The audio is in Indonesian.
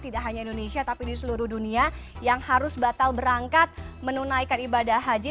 tidak hanya indonesia tapi di seluruh dunia yang harus batal berangkat menunaikan ibadah haji